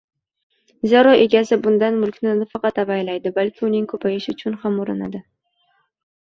Zero egasi bunday mulkni nafaqat avaylaydi, balki uning ko‘payishi uchun ham urinadi.